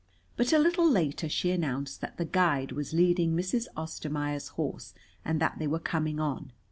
But a little later she announced that the guide was leading Mrs. Ostermaier's horse and that they were coming on.